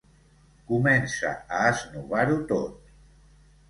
Comença a esnovar-ho tot.